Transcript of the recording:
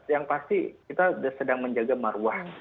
yang pasti kita sudah sedang menjaga maruah